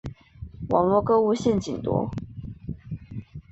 网路购物陷阱多